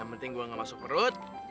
yang penting gue gak masuk perut